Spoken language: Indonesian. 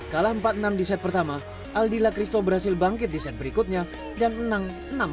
kalah empat enam di set pertama aldila christo berhasil bangkit di set berikutnya dan menang enam satu